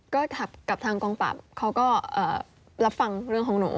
ก็กับทางกองปราบเขาก็รับฟังเรื่องของหนู